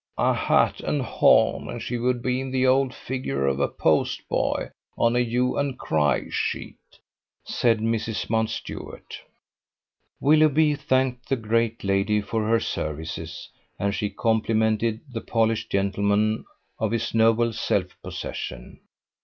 "A hat and horn, and she would be in the old figure of a post boy on a hue and cry sheet," said Mrs. Mountstuart. Willoughby thanked the great lady for her services, and she complimented the polished gentleman on his noble self possession.